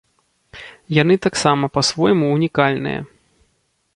Яны таксама па-свойму ўнікальныя.